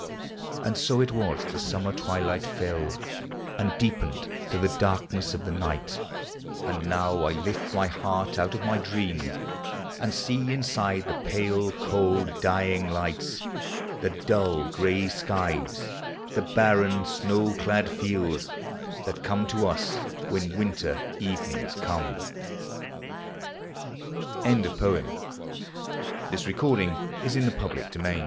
And so it was the summer twilight fell, And deepened to the darkness of the night : And now I lift my heart out of my dream And see instead the pale, cold, dying lights, The dull gray skies, the barren, snow clad fields, That come to us when winter evenings comp, uoka READ <; >ai.i .. 54 POEMS OF XATURE. TO THE EVEN